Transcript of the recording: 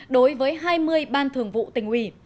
đối với hai mươi ban thường vụ tình hủy